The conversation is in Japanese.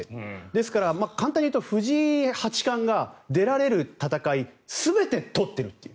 ですから簡単に言うと藤井八冠が出られる戦い全て取っているという。